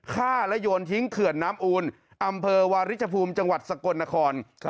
ฆ่าและโยนทิ้งเขื่อนน้ำอูลอำเภอวาริชภูมิจังหวัดสกลนคร